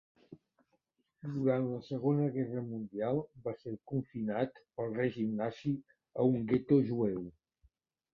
Durant la Segona Guerra Mundial va ser confinat pel règim nazi a un gueto jueu.